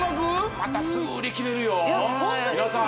またすぐ売り切れるよ皆さん